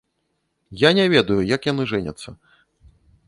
Я не ведаю, як яны жэняцца.